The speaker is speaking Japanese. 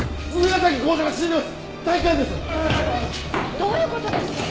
どういう事ですか！？